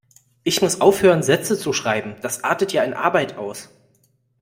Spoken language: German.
Ich muss aufhören Sätze zu schreiben, das artet ja in Arbeit aus.